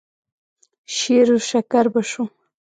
شېروشکر به شو.